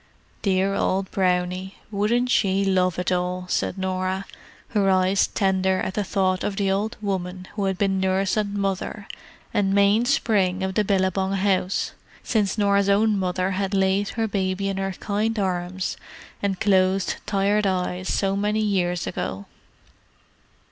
"Dear old Brownie, wouldn't she love it all!" said Norah, her eyes tender at the thought of the old woman who had been nurse and mother, and mainspring of the Billabong house, since Norah's own mother had laid her baby in her kind arms and closed tired eyes so many years ago.